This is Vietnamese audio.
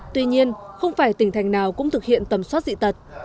tuy nhiên không phải tỉnh thành nào cũng thực hiện tầm soát dị tật